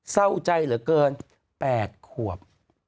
เศร้าใจเหลือเกิน๘ขวบ